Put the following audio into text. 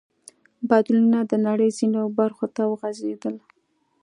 بدلونونه د نړۍ ځینو برخو ته وغځېدل.